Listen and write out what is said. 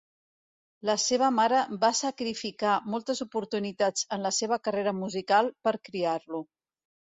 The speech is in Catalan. La seva mare va sacrificar moltes oportunitats en la seva carrera musical per criar-lo.